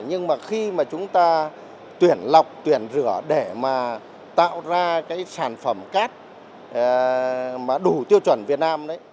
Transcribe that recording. nhưng khi chúng ta tuyển lọc tuyển rửa để tạo ra sản phẩm cát đủ tiêu chuẩn việt nam